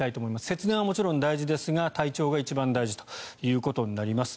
節電はもちろん大事ですが体調が一番大事となります。